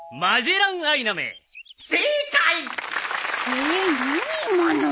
ええっ何今の